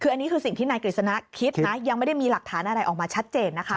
คืออันนี้คือสิ่งที่นายกฤษณะคิดนะยังไม่ได้มีหลักฐานอะไรออกมาชัดเจนนะคะ